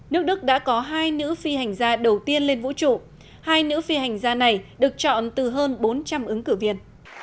nước đức đã có hai nữ phi hành gia đầu tiên lên vũ trụ hai nữ phi hành gia này được chọn từ hơn bốn trăm linh ứng cử viên